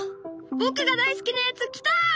僕が大好きなやつ来た！